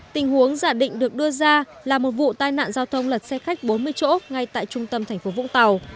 tình huống giả định được đưa ra là một vụ tai nạn giao thông lật xe khách bốn mươi chỗ ngay tại trung tâm thành phố vũng tàu